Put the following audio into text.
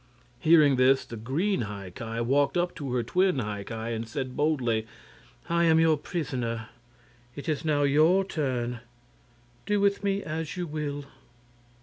Hearing this, the green High Ki walked up to her twin High Ki and said, boldly: "I am your prisoner. It is now your turn. Do with me as you will."